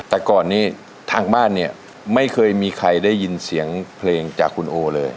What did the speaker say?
แต่ก่อนนี้ทางบ้านเนี่ยไม่เคยมีใครได้ยินเสียงเพลงจากคุณโอเลย